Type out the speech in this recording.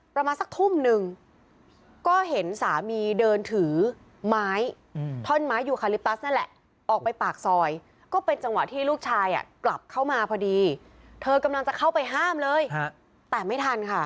ประมาณสักทุ่มนึงก็เห็นสามีเดินถือไม้ท่อนไม้ยูคาลิปตัสนั่นแหละออกไปปากซอยก็เป็นจังหวะที่ลูกชายกลับเข้ามาพอดีเธอกำลังจะเข้าไปห้ามเลยแต่ไม่ทันค่ะ